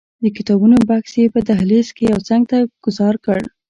د کتابونو بکس یې په دهلیز کې یوه څنګ ته ګوزار کړ.